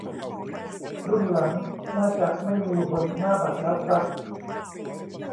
รุ่นหลังน่าจะไม่มีบนหน้าบัตรแล้วครับ